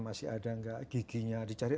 masih ada nggak giginya dicari